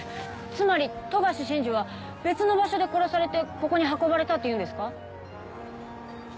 つまり富樫慎二は別の場所で殺されてここに運ばれたって言うんですか？